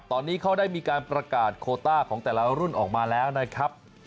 ตอนนี้เขาได้มีการประกาศโคต้าของแต่ละรุ่นออกมาแล้วนะครับ